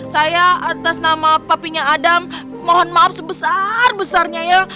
saya atas nama papinya adam mohon maaf sebesar besarnya ya